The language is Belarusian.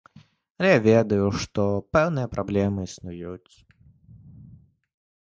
Але я ведаю, што пэўныя праблемы існуюць.